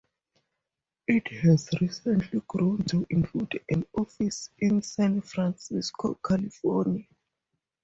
It has recently grown to include an office in San Francisco, California.